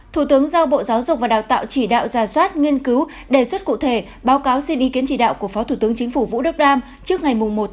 thủ tướng giao bộ giáo dục và đào tạo chỉ đạo giả soát nghiên cứu đề xuất cụ thể báo cáo xin ý kiến chỉ đạo của phó thủ tướng chính phủ vũ đức đam trước ngày một một mươi